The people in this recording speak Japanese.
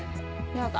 やだ。